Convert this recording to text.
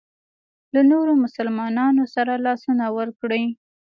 له نورو مسلمانانو سره لاسونه ورکړي.